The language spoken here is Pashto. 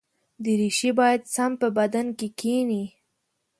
دریشي باید سم په بدن کې کېني.